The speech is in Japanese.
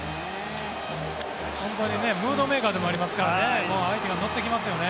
ムードメーカーでもありますから相手が乗ってきますよね。